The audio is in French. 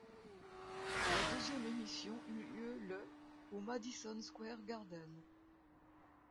La deuxième émission eut lieu le au Madison Square Garden.